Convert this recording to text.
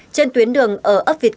trên tuyến đường ở ấp việt cộng